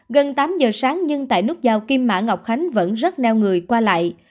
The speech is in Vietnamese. gần tám giờ sáng nhưng tại nút giao kim mã ngọc khánh vẫn rất neo người qua lại